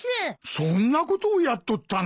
そんなことをやっとったのか。